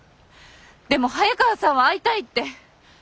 でも早川さんは会いたいって。